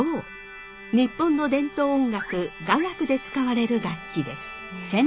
日本の伝統音楽「雅楽」で使われる楽器です。